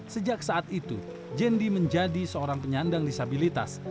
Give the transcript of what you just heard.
sejak saat itu jendi menjadi seorang penyandang disabilitas